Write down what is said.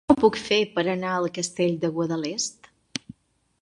Com ho puc fer per anar al Castell de Guadalest?